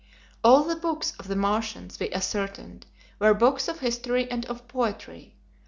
All the books of the Martians, we ascertained, were books of history and of poetry.